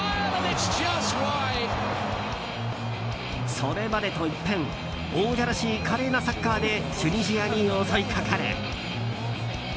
それまでと一変王者らしい華麗なサッカーでチュニジアに襲いかかる。